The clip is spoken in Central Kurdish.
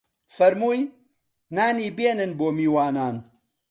فەرمووی: نانی بێنن بۆ میوانان